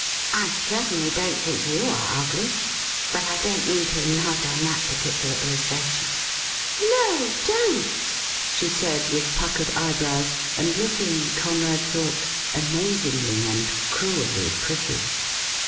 'I certainly don't think you are ugly. But I don't. mean to enlarge on that particular illustration ''' No, don't,' she said, with puckered eyebrows, and look ing, Conrad thought, amazingly and cruelly pretty.